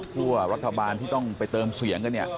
พวกวัฒนาทีรการที่ต้องไปเติมเสียงกันนี่